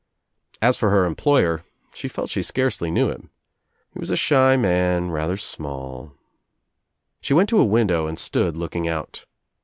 As for her employer — she felt she scarcely knew him. He was 3 shy man, rather small — She went to a window and stood looking out.